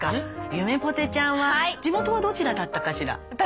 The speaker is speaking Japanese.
ゆめぽてちゃんは地元はどちらだったかしら？